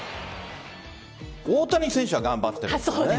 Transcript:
大谷選手は頑張ってるんですね。